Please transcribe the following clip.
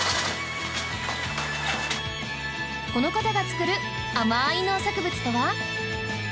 この方が作る甘い農作物とは？